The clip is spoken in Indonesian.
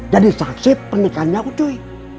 jadi saksit pernikahannya ucuy